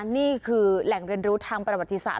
นี่คือแหล่งเรียนรู้ทางประวัติศาส